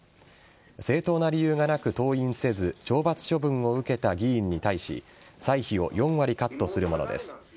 正当な理由がなく、登院せず懲罰処分を受けた議員に対し歳費を４割カットするものです。